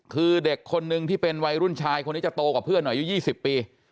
คือเด็กคนนึงที่เป็นวัยรุ่นชายคนนี้จะโตกว่าเพื่อนหน่อยอายุ๒๐ปี